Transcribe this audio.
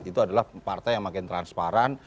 itu adalah partai yang makin transparan